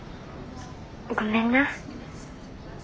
ごめんな。